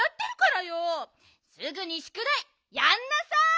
すぐにしゅくだいやんなさい！